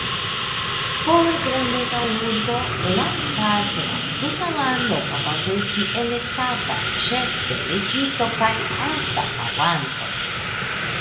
Por grandega urbo, landparto aŭ tuta lando povas esti elektata Ĉefdelegito kaj anstataŭanto.